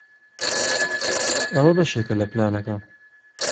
ئەوە بەشێکە لە پلانەکە.